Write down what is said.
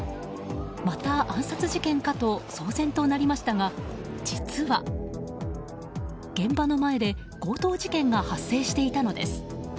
また暗殺事件課と騒然となりましたが、実は現場の前で強盗事件が発生していたのです。